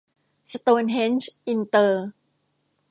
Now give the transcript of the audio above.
สโตนเฮ้นจ์ อินเตอร์